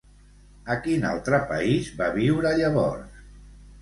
A quin altre país va viure llavors?